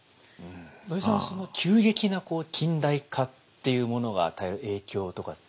土井さんは急激な近代化っていうものが与える影響とかって？